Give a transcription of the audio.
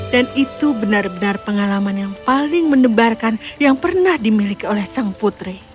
dan itu benar benar pengalaman yang paling mendebarkan yang pernah di miliki aku